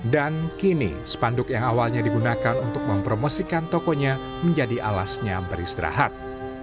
dan kini spanduk yang awalnya digunakan untuk mempromosikan tokonya menjadi alasnya beristirahat